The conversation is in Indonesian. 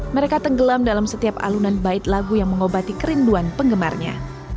mereka tenggelam dalam setiap alunan bait lagu yang mengobati kerinduan penggemarnya